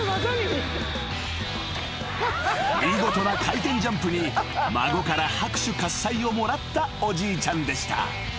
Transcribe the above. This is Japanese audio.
［見事な回転ジャンプに孫から拍手喝采をもらったおじいちゃんでした］